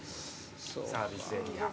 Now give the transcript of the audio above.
サービスエリア。